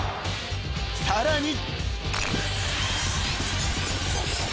［さらに］